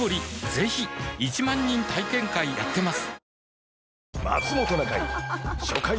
ぜひ１万人体験会やってますはぁ。